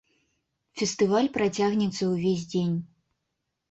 Фестываль працягнецца ўвесь дзень.